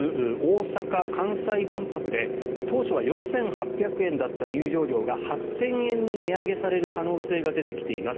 大阪・関西万博で当初は４８００円だった入場料が８０００円に値上げされる可能性が出てきています。